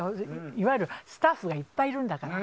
いわゆるスタッフがいっぱいいるんだから。